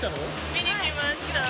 見に来ました。